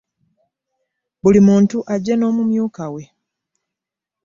Buli muntu ajje n'omumyuka we.